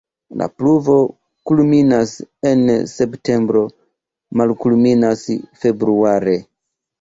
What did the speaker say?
La pluvo kulminas en septembro, malkulminas februare.